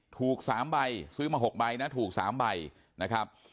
ถูก๓ใบซื้อมา๖ใบนะถูก๓ใบนะครับ